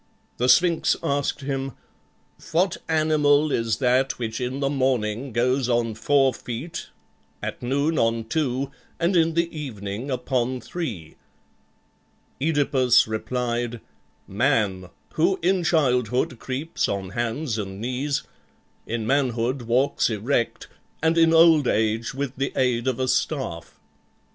The Sphinx asked him, "What animal is that which in the morning gees on four feet, at noon on two, and in the evening upon three?" OEdipus replied, "Man, who in childhood creeps on hands and knees, in manhood walks erect, and in old age with the aid of a staff."